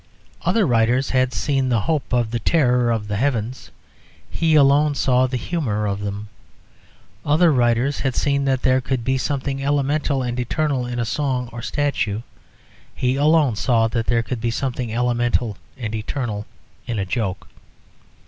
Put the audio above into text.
Other writers had seen the hope or the terror of the heavens, he alone saw the humour of them. Other writers had seen that there could be something elemental and eternal in a song or statute, he alone saw that there could be something elemental and eternal in a joke.